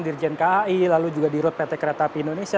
dirjen kai lalu juga di rute pt kereta api indonesia